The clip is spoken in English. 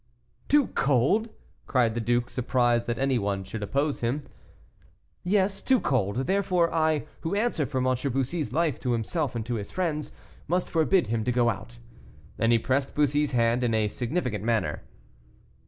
"Too cold!" cried the duke, surprised that any one should oppose him. "Yes, too cold. Therefore I, who answer for M. Bussy's life to himself and to his friends, must forbid him to go out." And he pressed Bussy's hand in a significant manner.